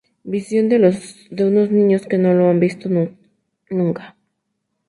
Visión de unos niños que no lo han visto nunca.